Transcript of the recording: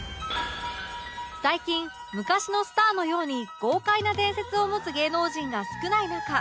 最近昔のスターのように豪快な伝説を持つ芸能人が少ない中